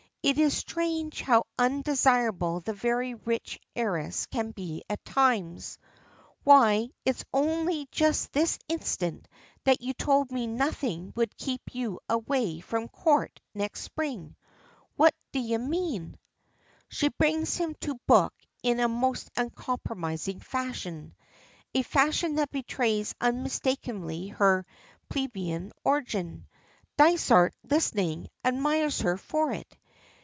It is strange how undesirable the very richest heiress can be at times. "Why, it's only just this instant that you told me nothing would keep you away from the Court next spring. What d'ye mean?" She brings him to book in a most uncompromising fashion; a fashion that betrays unmistakably her plebeian origin. Dysart, listening, admires her for it.